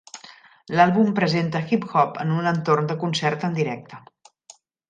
L'àlbum presenta hip hop en un entorn de concert en directe.